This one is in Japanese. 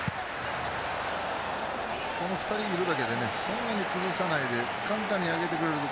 この２人がいるだけでそんなに崩さなくても簡単に上げてくれる。